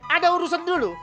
ada urusan dulu